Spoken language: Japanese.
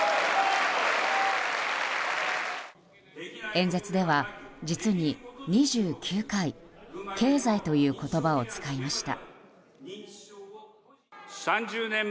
演説では実に２９回経済という言葉を使いました。